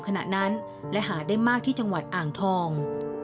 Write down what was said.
ขณะนั้นและหาได้มากที่จังหวัดอ่างทอง